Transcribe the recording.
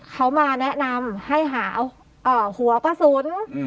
เขามาแนะนำให้หาหัวกระสุน